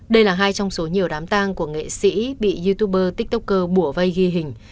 đây là hai trong số nhiều đám tang của nghệ sĩ bị youtuber tiktoker bùa vây ghi hình